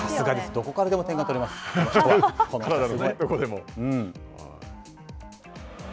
どこからでも点が取れます、この人は。